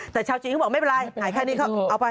แต่ชาวจีนเขาบอกไม่เป็นไรหายแค่นี้ก็เอาไป